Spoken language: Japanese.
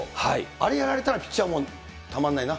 あれやられたらピッチャーもたまんないな。